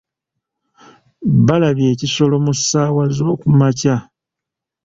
Baalabye ekisolo mu ssaawa z'okumakya.